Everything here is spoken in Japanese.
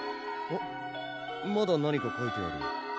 あっまだ何か書いてある。